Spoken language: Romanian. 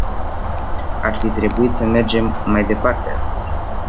Ar fi trebuit să mergem mai departe astăzi.